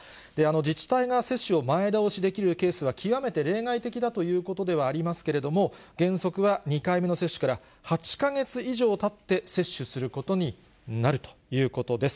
自治体が接種を前倒しできるケースは極めて例外的だということではありますけれども、原則は２回目の接種から８か月以上たって接種することになるということです。